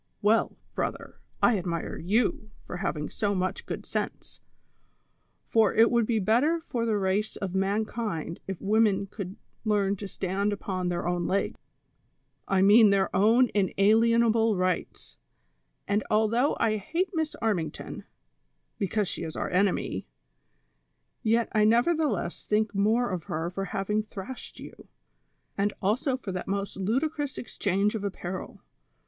Well, brother, I admire you for having so much good sense, for it would be better for the race of mankind if women would learn to stand upon their own legs— I mean their own in alienable rights— and although I hate Miss Armington, because she is our enemy, yet I nevertheless think more of her for having thrashed you, and also for that most ludi crous exchange of apparel.